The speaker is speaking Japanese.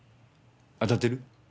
当たってる？